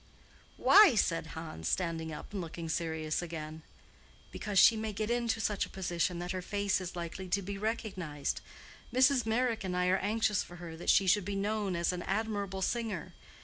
"Why?" said Hans, standing up, and looking serious again. "Because she may get into such a position that her face is likely to be recognized. Mrs. Meyrick and I are anxious for her that she should be known as an admirable singer.